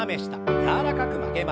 柔らかく曲げます。